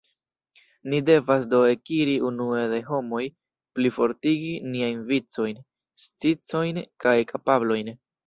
Ni devas do ekiri unue de homoj, plifortigi niajn vicojn, sciojn kaj kapablojn.